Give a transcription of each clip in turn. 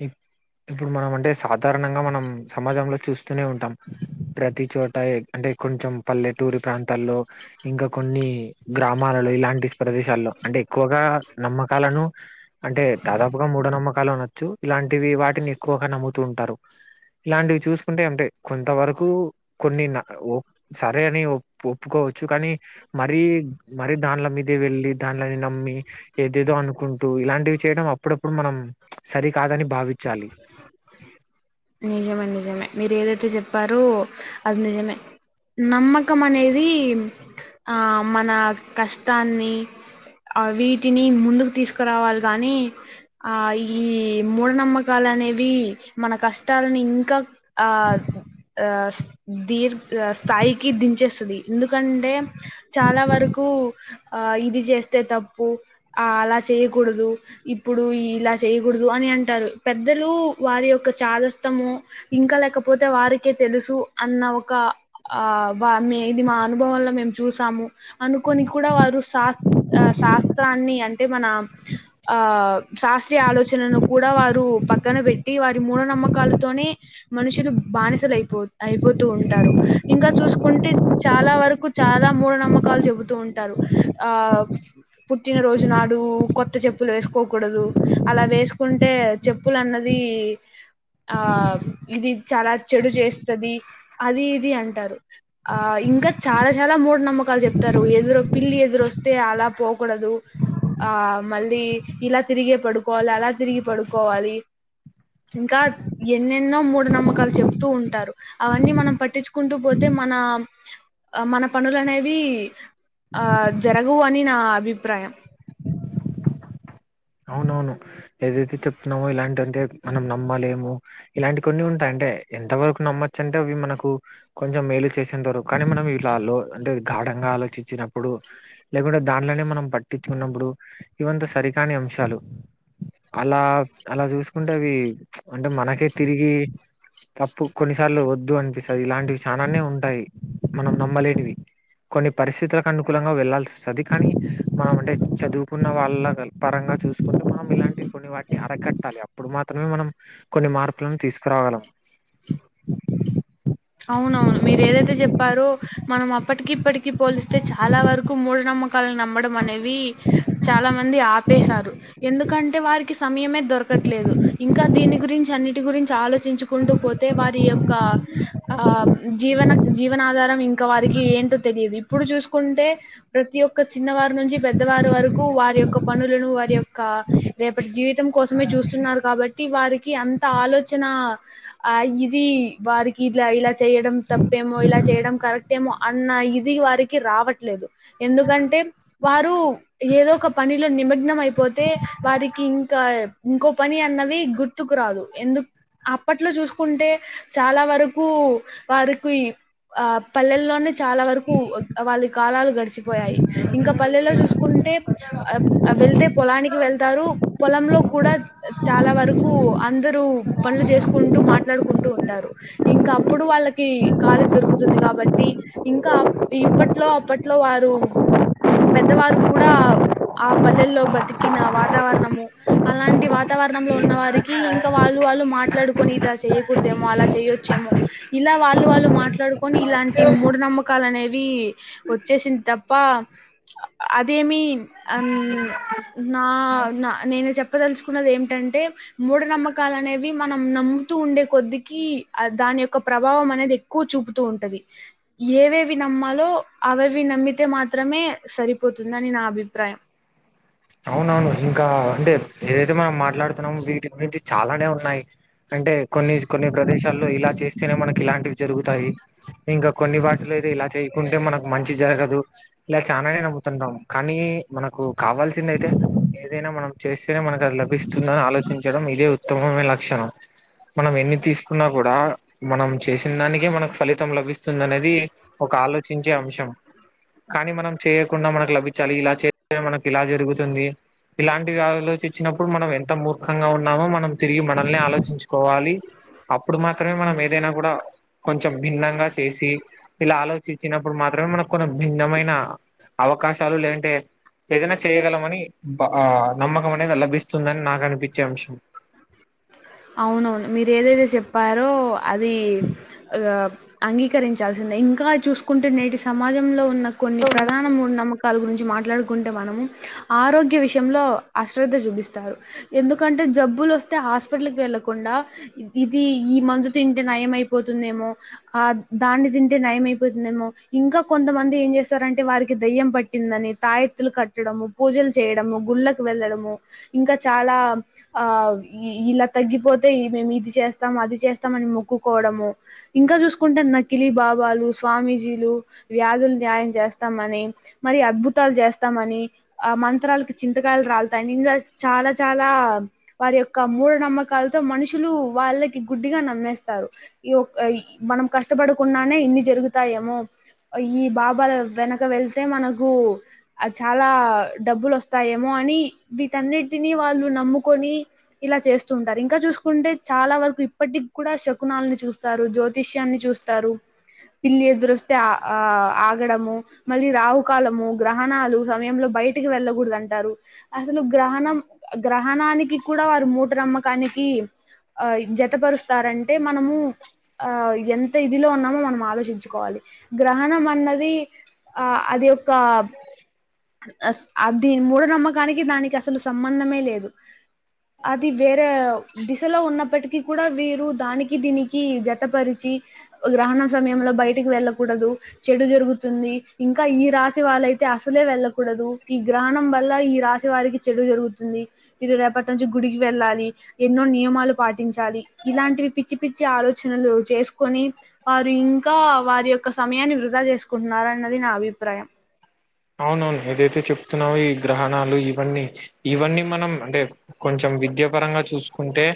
ఇ ఇప్పుడు మనం అంటే సాధారణంగా మనం సమాజంలో చూస్తూనే ఉంటాం ప్రతి చోట ఎ అంటే కొంచెం పల్లెటూరి ప్రాంతాల్లో ఇంకా కొన్ని గ్రామాలలో ఇలాంటి ప్రదేశాల్లో అంటే ఎక్కువగా నమ్మకాలను అంటే దాదాపుగా మూఢనమ్మకాలు అనొచ్చు ఇలాంటివి వాటిని ఎక్కువగా నమ్ముతూ ఉంటారు ఇలాంటివి చూసుకుంటే అంటే కొంత వరకు కొన్ని న ఓ సరే అని ఒప్ ఓపుకోవచ్చు కానీ మరీ మరి దాంలే మీదే వెళ్లి దాన్లని నమ్మి ఏదేదో అనుకుంటూ ఇలాంటివి చేయడం అప్పుడప్పుడు మనం సరికాదని భావించాలి నిజమే నిజమే మీరు ఏదైతే చెప్పారో అది నిజమే నమ్మకం అనేది ఆ మన కష్టాన్ని ఆ వీటిని ముందుకు తీసుకురావాలి గాని ఆ ఈ మూఢనమ్మక కాలనేవి మన కష్టాలని ఇంకా ఆ ఆ తీర్ స్థాయికి దించేస్తుంది ఎందుకంటే చాలా వరకు ఆ ఇది చేస్తే తప్పు ఆ అలా చేయ్యకూడదు ఇప్పుడు ఇలా చేయకూడదు అని అంటారు పెద్దలు వారి యొక్క చాదస్తము ఇంకా లేకపోతే వారికే తెలుసు అన్న ఒక ఆ వా మె ఇది మా అనుభవంలో మేము చూసాము అనుకొని కూడా వారు సా ఆ శాస్త్రాన్ని అంటే మన ఆ శాస్త్రీయ ఆలోచనను కూడా వారు పక్కన పెట్టి వారి మూఢనమ్మకాలతోనీ మనుషులు బానిసలు అయిపో అయిపోతూ ఉంటారు ఇంకా చూసుకుంటే చాలా వరకు చాలా మూఢ నమ్మకాలు చెబుతూ ఉంటారు ఆ పుట్టినరోజు నాడు కొత్త చెప్పులు వేసుకోకూడదు అలా వేసుకుంటే చెప్పు ప్పులు అన్నది ఆ ఇది చాలా చెడు చేస్తది అది ఇది అంటారు ఆ ఇంకా చాలా చాలా మూఢ నమ్మకాలు చెప్తారు ఎదురు పిల్లి ఎదురోస్తే అలా పోకూడదు ఆ మళ్ళీ ఇలా తిరిగే పడుకోవాలి అలా తిరిగి పడుకోవాలి ఇంకా ఎన్నెన్నో మూఢ నమ్మకాలు చెప్తూ ఉంటారు అవన్నీ మనం పట్టించుకుంటూ పోతే మనా అ మన పనులు అనేవి ఆ జరగవు అని నా అభిప్రాయం అవునవును ఏదైతే చెప్తున్నామో ఇలాంటంటే మనం నమ్మాలేము ఇలాంటి కొన్ని ఉంటాయి అంటే ఎంత వరకు నమ్మొచ్చంటే అవి మనకు కొంచెం మేలు చేసేంత వరకు కానీ మనం ఇట్లా లో అంటే ఘాఢంగా ఆలోచించినప్పుడు లేకుంటే దాంట్లోనే మనం పట్టించుకున్నప్పుడు ఇవంతా సరికాని అంశాలు అలా అలా చూసుకుంటే అవి ప్చ్ అంటే మనకే తిరిగి తప్పు కొన్నిసార్లు వద్దు అనిపిస్తది ఇలాంటివి చానానే ఉంటాయి మనం నమ్మలేనివి కొన్ని పరిస్థితులకు అనుకూలంగా వెళ్లాల్సి వస్తుంది కనీ మనం అంటే చదువుకున్న వాళ్ళల పరంగా చూస్ మనం ఇలాంటివి కొన్ని వాటిని అరకట్టాలి అప్పుడు మాత్రమే మనం కొన్ని మార్పులను తీసుకురాగలము అవునవును మీరు ఏదైతే చెప్పారో మనం అప్పటికి ఇప్పటికి పోలిస్తే చాలా వరకు మూఢనమ్మకాలను నమ్మడం అనేవి చాలా మంది ఆపేశారు ఎందుకంటే వారి కి సమయమే దొరకట్లేదు ఇంకా దీని గురించి అన్నిటి గురించి ఆలోచ్ చించుకుంటూ పోతే వారి యొక్క ఆ జీవన జీవనాధారం ఇంకా వారికి ఏంటో తెలియదు ఇప్పుడు చూసుకుంటే ప్రతి ఒక్క చిన్నవారు నుంచి పెద్దవారు వరకు వారి యొక్క పనులను వారి యొక్క రేపటి జీవితం కోసమే చూస్తున్నారు కాబట్టి వారికి అంత ఆలోచన ఆ ఆ ఇది వారిక్ ఇట్లా ఇలా చేయడం తప్పేమో ఇలా చేయడం కరెక్ట్ ఏమో అన్న ఇది వారికి రావట్లేదు ఎందుకంటే వారు ఏదో ఒక పనిలో నిమగ్నమ్ అయిపోతే వారికి ఇంకా ఇంకో పని అన్నవి గుర్తుకు రాదు ఎందుక్ అప్పట్లో చూసుకుంటే చాలా వరకూ వారికుయ్ ఆ పల్లెల్లోనే చాలా వరకు వాళ్ళ కాలాలు గడిచిపోయాయి ఇంకా పల్లెల్లో చూసుకుంటే అబ్ వెళ్తే పొలానికి వెళ్తారు. పొలంలో కూడా చాలా వరకు అందరూ పనులు చేసుకుంటూ మాట్లాడుకుంటూ ఉంటారు. ఇంకా అప్పుడు వాళ్ళకి కాళీక్ దొరుకుతుంది. కాబట్టి ఇంకా అప్ ఇప్పట్లో అప్పట్లో వారు పెద్దవారు కూడా ఆ పల్లెల్లో బతికిన వాతావరణము అలాంటి వాతావరణంలో ఉన్న వారికి ఇంకా వాళ్ళు వాళ్ళు మాట్లాడుకొని ఇతలా చేయ్యకూడదేమో అలా చేయొ చ్చేమో ఇలా వాళ్ళు వాళ్ళు మాట్లాడుకొని ఇలాంటి మూఢ నమ్మకాలు అనేవి వచ్చేసింది తప్ప అ అదేమిన్ అన్ నావ్ నా నేనే చెప్పదలుచుకున్నది ఏమిటంటే మూఢనమ్మకాలు అనేవి మనం నమ్ముతూ ఉండే కొద్దికి అ దాని యొక్క ప్రభావం అనేది ఎక్కువ చూపుతూ ఉంటది. ఏవేవి నమ్మాలో అవవి నమ్మితే మాత్రమే సరిపోతుందని నా అభిప్రాయం అవునవును ఇంకా అంటే ఏది మనం మాట్లాడుతున్నామో వీటి గురించి చాలానే ఉన్నాయి. అంటే కొన్ని కొన్ని ప్రదేశాల్లో ఇలా చేస్తేనే మనకి ఇలాంటివి జరుగుతాయి. ఇంకా కొన్ని వాటిలైతే ఇలా చేయకుంటే మనకు మంచి జరగదు. ఇలా చానానే నమ్ముతుంటాం కానీ మనకు కావాల్స అయితే ఏదైనా మనం చేస్తేనే మనకు అది లభిస్తుందని ఆలోచించడం ఇదే ఉత్తమమైన లక్షణం. మనం ఎన్ని తీసుకున్నా గుడా మనం చేసిన దానికే మనకు ఫలితం లభిస్తుందనేది ది ఒక ఆలోచించే అంశం కానీ మనం చేయకుండా మనకు లభి చాల్ ఇలా చేస్తే మనకి ఇలా జరుగుతుంది. ఇలాంటివి ఆలోచించినప్పుడు మనం ఎంత మూర్ఖంగా ఉన్నామో మనం తిరిగి మనల్ని ఆలోచించుకోవాలి. అప్పుడు మాత్రమే మనం ఏదైనా గూడ కొంచం భిన్నంగా చేసి ఇలా ఆలోచించినప్పుడు మాత్రమే మనకు కొన్ని భిన్నమైన అవకాశాలు లేదంటే ఏదైనా చేయ్యగలం అని బా ఆ నమ్మకం అనేది లభిస్తుందని నాకనిపిచ్చే అంశం. అవునవును మీరు ఏదైతే చెప్పారో అది అ అంగీకరించాల్సిందే ఇంకా చూసుకుంటే నేటి సమాజంలో ఉన్న కొన్ని ప్రధాన మూఢ నమ్మక వాల్ గురించి మాట్లాడుకుంటే మనము ఆరోగ్య విషయంలో అశ్రద్ధ జూపిస్తారు ఎందుకంటే జబ్బులొస్తే ఆస్ హాస్పిటల్కి వెళ్ళకుండా ఇది ఈ మందు తింటే నయం అయిపోతుందేమో అ దాన్ని తింటే నయమయిపోతుందేమో ఇంకా కొంతమంది ఏం జేస్తారంటే వారికి దెయ్యం పట్ పట్టిందని తాయత్తులు కట్టడము పూజలు చేయడము గుళ్ళకి వెళ్ళడము ఇంకా చాలా ఆ ఇలక్ తగ్గిపోతే ఇ మేము ఇది చేస్తాం అది చేస్తాంమని మొక్కుకోవడము ఇంకా చూసుకుంటే నకిలీ బాబాలు స్వామీజీలు వ్యాధులు న్యాయం చేస్తామని మరి అద్భుతాలు జేస్తామని ఆ మంత్రాలకి చింతకాయలు రాలతాయని ఇంగ చాలా చాలా వారి యొక్క మూఢ నమ్మ కాలతో మనుషులు వాళ్ళకి గుడ్డిగా నమ్మేస్తారు ఈ యోక మనం కష్టపడకుండనే ఇన్ని జరుగుతాయేమో ఈ బాబాల వెనక వెళ్తే మనకు అ చాలా డబ్బులోస్తాయేమో అని వీటన్నిటిని వాళ్ళు నమ్ముకొని ఇలా చే స్తుంటారు ఇంకా చూసుకుంటే చాలా వరకు ఇప్పటికి కూడా శకునాలని చూస్తారు జ్యోతిష్యాన్ని చూస్తారు పిల్లి ఎదురోస్తే అ ఆ అగడము మళ్ళీ రాహు కాలము గ్రహణాలు సమయంలో బయటికి వెళ్ళకూడదంటారు అసలు గ్రహణం గ్రహణానికి కూడా వారు మూట నమ్మకానికి ఆ జతపరుస్తారంటే మనము ఆ ఎంత ఇదిలో ఉన్నామో మనం ఆలోచించుకోవాలి గ్రహణం అన్నది ఆ అది ఒక్క అస్ అ దిన్ని మూఢనమ్మకానికి దానికి అసలు సంబంధమే లేదు అది వేరే దిశలో ఉన్నప్పటికీ కూడా వీరు దానికి దీనికి జతపరిచి గ్రహణం సమయంలో బయటికి వెళ్ళకూడదు చెడు జరుగుతుంది ఇంకా ఈ రాశి వాళ్ళైతే అసలే వెళ్ళ కూడదు ఈ గ్రహణం వల్ల ఈ రాశి వారికి చెడు జరుగుతుంది ఇది రేపటి నుంచి గుడికి వెళ్ళాలి ఎన్నో నియమాలు పాటించాలి ఇలాంటివి పిచ్చి పిచ్చి ఆలోచనలు చేసుకొని వారు ఇంకా వారి యొక్క సమయాన్ని వృధా చేసుకుంటున్నారు అన్నది నా అభిప్రాయం అవునవును ఏదైతే చెప్తున్నావో ఈ గ్రహణాలు ఇవన్నీ ఇవన్నీ మనం అంటే కొంచం విద్యా పరంగా చూసుకుంటే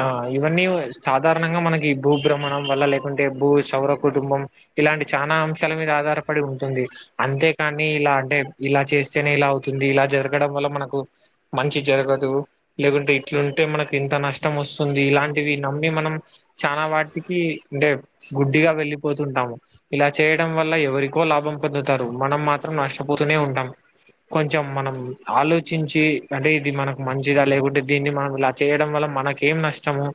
ఆ ఇవన్నీ సాధారణంగా మనకి భూభ్రమణం వల్ల లేకుంటే భూ సౌర కుటుంబం ఇలాంటి చానా అంశాల మీద ఆధారపడి ఉంటుంది అంతే కానీ ఇలా అంటే ఇలా చేస్తేనే ఇలా అవుతుంది ఇలా జరగడం వల్ల మనకు మంచి జరగదు లేకుంటే ఇట్లుంటే మనకి ఇంత నష్టం వస్తుంది ఇలాంటివి నమ్మి మనం చానా వాటికి అంటే గుడ్డిగా వెళ్ళిపోతుంటాము ఇలా చేయడం వల్ల ఎవరికో లాభం పొందుతారు మనం మాత్రం నష్టపోతూనే ఉంటాం కొంచెం మనం ఆలోచించి అంటే ఇది మనకు మంచిదా లేకుంటే దీన్ని మనం ఇలా చేయడం వల్ల మనకేం నష్టము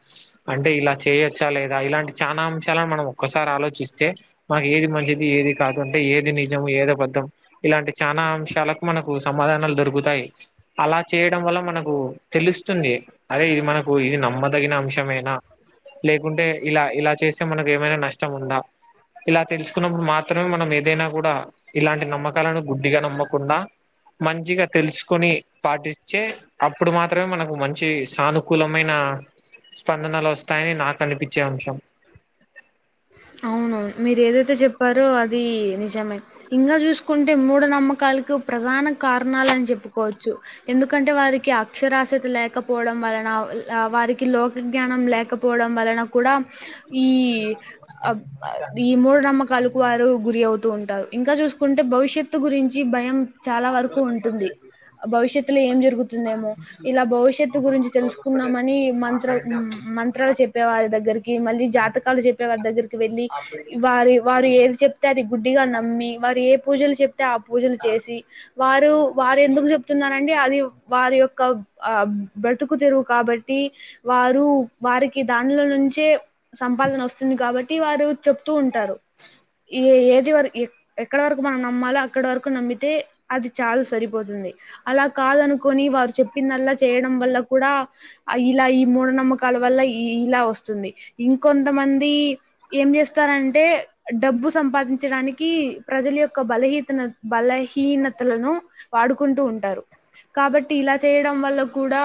అంటే ఇలా చేయొచ్చా లేదా ఇలాంటి చానా అంశాలను మనం ఒక్కసారి ఆలోచిస్తే మాకు ఏది మంచిది ఏది కాదు అంటే ఏది నిజం ఏది అబద్ధం ఇలాంటి చానా అంశాల కు మనకు సమాధానాలు దొరుకుతాయి అలా చేయడం వల్ల మనకు తెలుస్తుంది అదే ఇది మనకు ఇది నమ్మదగిన అంశమేనా లేకుంటే ఇలా ఇలా చేస్తే మనకు ఏమైనా నష్టం ఉందా ఇలా తెలుసుకున్నప్పుడు మాత్రమే మనం ఏదైనా కూడా ఇలాంటి నమ్మకాలను గుడ్డిగా నమ్మకుండా మంచిగా తెలుసుకొని పాటిచ్చే అప్పుడు మాత్రమే మనకు మంచి సానుకూలమైన స్పందనలు వస్తాయని నాకు అనిపిచే అంశం అవును మీరు ఏదైతే చెప్పారో అది నిజమే ఇంగా చూసుకుంటే మూఢనమ్మకలుకు ప్రధాన కారణాలని చెప్పుకోవచ్చు ఎందుకంటే వారికి అక్షరాస్యత లేకపోడం వలన ల్ వారికి లోకజ్ఞానం లేకప్ పోడం వలన కూడా ఈ అబ్ ది మూఢ నమ్మకాలకు వారు గురి అవుతూ ఉంటారు ఇంకా చూసుకుంటే భవిష్యత్తు గురించి భయం చాలా వరకు ఉంటుంది భవిష్యత్తులో ఏం జరుగుతుందేమో ఇలా భవిష్యత్తు గురించి తెలుసుకుందామని మంత్ర మ్ మంత్రాలు చెప్పేవారి దగ్గరికి మళ్ళీ జాతకాలు చెప్పేవారి దగ్గరిక్ ఇక వెళ్ళి వారి వారి ఏది చెప్తే అది గుడ్డిగా నమ్మి వారి ఏ పూజలు చెప్ తే ఆ పూజలు చేసి వారు వారు ఎందుకు చెప్తున్నరాండి అది వారి యొక్క ఆ బ్రతుకు తెరువు కాబట్టి వారు వారికి దానిలో నుంచే సంపాదన వస్తుంది కాబ ట్టి వారు చెప్తూ ఉంటారు ఏ ఏది వర్ ఏక్ ఎక్కడ వరకు మనం నమ్మాలో అక్కడి వరకు నమ్మితే అది చాలు సరిపోతుంది అలా కాదనుకోని వారు చెప్పిందల్లా చేయడం వల్ల కూడా అ ఇలా ఈ మూఢనమ్మకాల వల్ల ఇ ఇలా వస్తుంది ఇంకొంతమంది ఏం చేస్తారంటే డబ్బు సంపాదించడానికి ప్రజల యొక్క బలహీతన బలహీనతలను వాడుకుంటూ ఉంటారు కాబట్టి ఇలా చేయడం వల్ల కూడా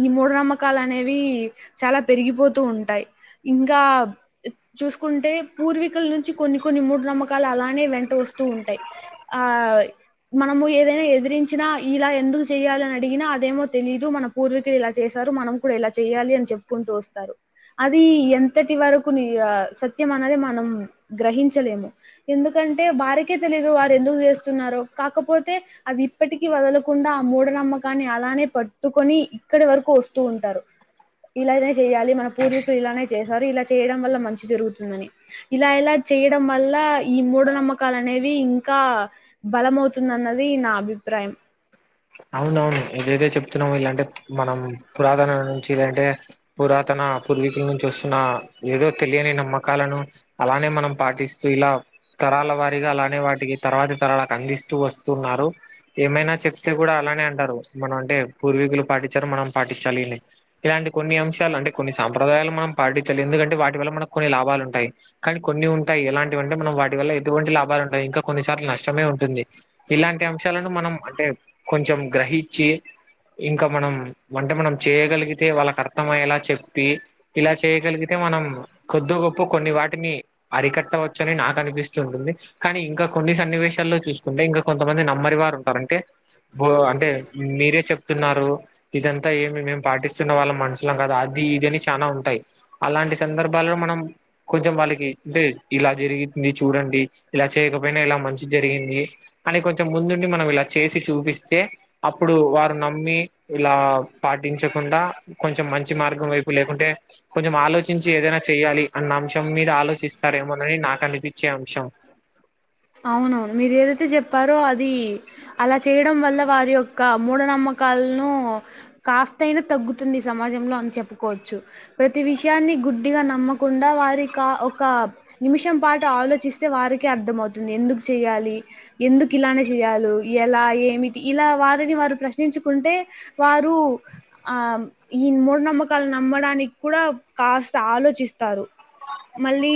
ఈ మూఢ నమ్మకాలు అనేవి చాలా పెరిగిపోతూ ఉంటాయి ఇంకా ఇ చూసుకుంటే పూర్వీకుల్ నుంచి కొన్ని కొన్ని మూఢ నమ్మకాలు అలానే వెంట వస్తూ ఉంటాయి ఆ మనము ఏదైనా ఎదిరించినా ఇలా ఎందుకు చెయాలని అడిగినా అదేమో తెలీదు మనం పూర్వీకిలు ఇలా చేశారు మనం కూడా ఇలా చేయాలి అని చెప్పుకుంటూ వస్తారు అది ఎంతటి వర కొన్ని ఇగ సత్యం మనేదే మనం గ్రహించలేము ఎందుకంటే వరికే తెలిదు వారు ఎందుకు చేస్తున్నారో కాకపోతే అది ఇప్పటికిీ వదలకుండా ఆ మూఢనమ్మకాన్ని అలానే పట్టుకొని ఇక్కడ వరకు వస్తూ ఉంటారు ఇలానే చేయాలి మన పూర్వీకులు ఇలానే చేసారు ఇలా చేయడం వల్ల మంచి జరుగుతుందని ఇలా ఇలా చేయడం వల్ల ఈ మూఢనమ్మకాలు అనేవి ఇంకా బలమవుతుందన్నది నా అభిప్రాయం అవునవును ఏదైతే చెప్తున్నామో ఇలాంటే మనం పురాతనం నుంచి అంటే పురాతన పూర్వీకుల నుంచి వస్తున్న ఏదో తెలియని నమ్మకాలను అలానే మనం పాటిస్తూ ఇలా తరాల వారిగా అలానే వాటికి తర్వాతి తరాలకు అందిస్తూ వస్ తున్నారు ఏమైనా చెప్తే గుడా అలానే అంటారు మనం అంటే పూర్వీకులు పాటించారు మనం పాటించాలి అని ఇలాంటి కొన్ని అంశాలు అంటే కొన్ని సాంప్రదాయాలు మనం పాటించాలి ఎందుకంటే వాటి వల్ల మనకు కొన్ని లాభాలు ఉంటాయి కానీ కొన్ని ఉంటాయి ఎలాంటివంటే మనం వాటి వల్ల ఎటువంటి లాభాలు ఉంటయి ఇంకా కొన్నిసార్లు నష్టమే ఉంటుంది ఇలాంటి అంశాలను మనం అంటే కొంచం గ్రహిచ్చి ఇంకా మనం అంటే మనం చేయ్యగలిగితే వాళ్ళకి అర్థమయేలా చెప్పి ఇలా చేయగలిగితే మనం కొద్దో గొప్పో కొన్ని వాటిని అరికట్టవచ్చు అని నాకు అనిపిస్తు ఉంటుంది కానీ ఇంకా కొన్ని సన్నివేశాల్లో చూసుకుంటే ఇంకా కొంతమంది నమ్మరి వారు ఉంటారు అంటే అంటే మీరే చెప్తున్నారు ఇదంతా ఏంది మేం పాటిస్తున్న వాళ్ళం మనుషులం కాదా అది ఇది అని చనా ఉంటాయి అలాంటి సందర్భాలలో మనం కొంచం వాళ్ళకి అంటే ఇలా జరుగుతుంది చూడండి ఇలా చేయకపోయినా ఇలా మంచి జరిగింది అని కొంచం ముందుండి మనం ఇలా చేసి చూపిస్తే అప్పుడు వారు నమ్మి ఇలా పాటించకుండా కొంచం మంచి మార్గం వైపు లేకుంటే కొంచం ఆలోచించి ఏదైనా చెయ్యాలి అన్న అంశం మీద ఆలోచిస్తారేమోనని నాకనిపిచ్చే అంశం అవును మీరు ఏదైతే చెప్పారో అది అలా చేయడం వల్ల వారి యొక్క మూఢనమ్మకాలను కాస్తయినా తగ్గుతుంది ఈ సమాజంలో అని చెప్పుకోవచ్చు ప్రతి విషయాన్ని గుడ్డిగా నమ్మకుండా వారికా ఒక నిమిషం పాటు ఆలోచిస్తే వారికే అర్థంమవుతుంది ఎందుకు చేయాలి ఎందుకు ఇలానే జేయాలు ఎలా ఏమిటి ఇలా వారిని వారు ప్రశ్నించుకుంటే వారు ఆ ఈ మూఢనమ్మకాల నమ్మడానికి కూడా కాస్త ఆలోచిస్తారు మళ్ళీ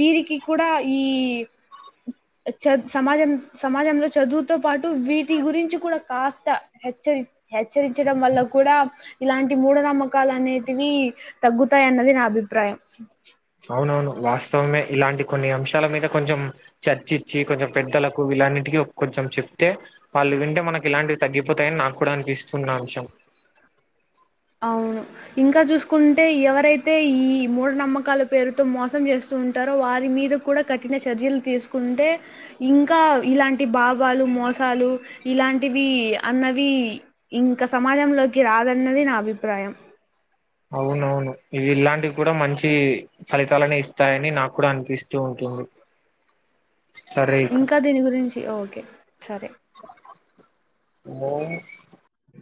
వీరికి కూడా ఈ చ సమాజం సమాజంలో చదువుతో పాటు వీటి గురించి కూడా కాస్త హెచ్చరి హెచ్చరించడం వల్ల కూడా ఇలాంటి మూఢ నమ్మకాలనేటివి తగ్గుతాయి అన్నది నా అభిప్రాయం అవునవును వాస్తవమే ఇలాంటి కొన్ని అంశాల మీద కొంచం చర్చిచ్చి కొంచం పెద్దలకు వీలన్నింటికి కొంచం చెప్తే వాళ్ళు వింటే మనకి ఇలాంటివి తగ్గిపోతాయని నాక్కూడా అనిపిస్తున్న అంశం అవును ఇంకా చూసుకుంటే ఎవరైతే ఈ మూఢ నమ్మకాల పేరుతో మోసం జేస్ స్తుంటారో వారి మీద కూడా కఠిన చర్యలు తీసుకుంటే ఇంకా ఇలాంటి బావాలు మోసాలు ఇలాంటివి అన్నవి ఇంక సమాజంలోకి రాదన్నది నా అభిప్రాయం అవునవును ఇవి ఇలాంటివి కూడా మంచి ఫలితాలని ఇస్తాయని నాకు కూడా అనిపిస్తూ ఉంటుంది సరే ఇక ఇంకా దీని గురించి ఓకే సరే మో